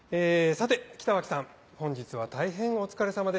さて北脇さん本日は大変お疲れさまでした。